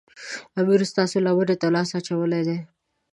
امیر ستاسو لمنې ته لاس اچولی دی.